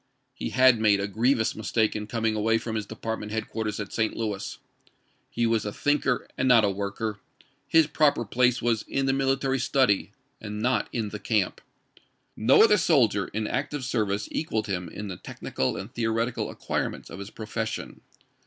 He had made a grievous mistake in coming away from his dej^art ment headquarters at St. Louis. He was a thinker and not a worker ; his proper place was in the mil itary study and not in the camp. No other soldier in active service equaled him in the technical and theoretical acquirements of his profession.